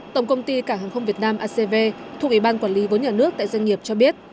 tổng công ty cảng hàng không việt nam acv thuộc ủy ban quản lý vốn nhà nước tại doanh nghiệp cho biết